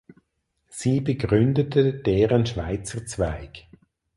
Sie begründete deren Schweizer Zweig.